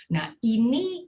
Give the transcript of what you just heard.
nah ini kita